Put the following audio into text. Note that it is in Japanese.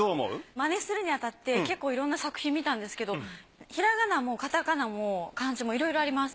まねするにあたって結構いろんな作品見たんですけど平仮名もカタカナも漢字もいろいろあります。